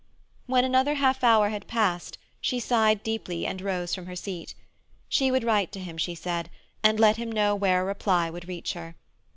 When another half hour had passed, she sighed deeply and rose from her seat. She would write to him, she said, and let him know where a reply would reach her.